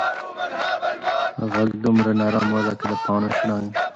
غږ دومره نرم و لکه د پاڼو شرنګ.